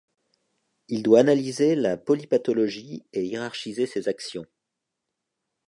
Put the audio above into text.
Il doit analyser la polypathologie et hiérarchiser ses actions.